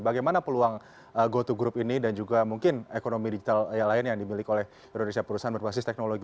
bagaimana peluang goto group ini dan juga mungkin ekonomi digital lain yang dimiliki oleh indonesia perusahaan berbasis teknologi